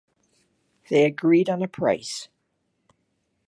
They agreed on a price.